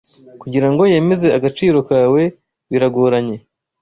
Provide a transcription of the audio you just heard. kugirango yemeze agaciro kawe biragoranye